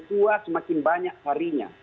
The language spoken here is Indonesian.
tua semakin banyak harinya